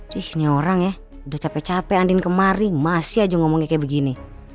dih ini orang ya udah capek capek andi kemari masih aja ngomong kayak begini